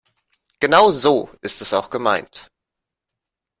Genau so ist es auch gemeint.